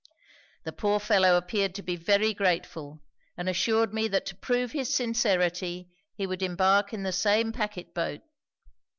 'The poor fellow appeared to be very grateful, and assured me that to prove his sincerity he would embark in the same pacquet boat.